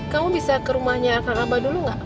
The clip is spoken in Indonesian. kamu bisa ke rumahnya kak abah dulu gak